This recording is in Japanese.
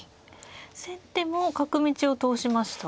先手も角道を通しましたが。